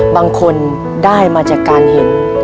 บางคนได้มาจากการเห็น